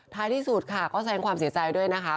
ที่สุดค่ะก็แสงความเสียใจด้วยนะคะ